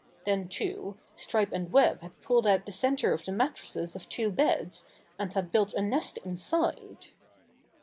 Then, too, Stripe and Web had pulled out the center of the mattresses of two beds, and had built a nest inside.